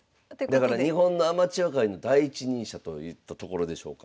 だから日本のアマチュア界の第一人者といったところでしょうか。